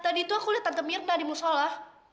tadi itu aku liat tante myrna di musola